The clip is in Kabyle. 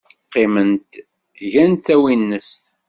Qqiment, gant tawinest.